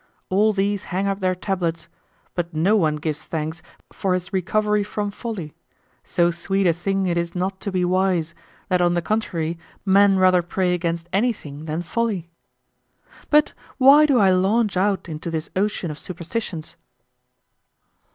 All these hang up their tablets, but no one gives thanks for his recovery from folly; so sweet a thing it is not to be wise, that on the contrary men rather pray against anything than folly. But why do I launch out into this ocean of superstitions?